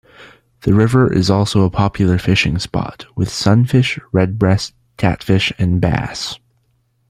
The river is also a popular fishing spot, with sunfish, redbreast, catfish and bass.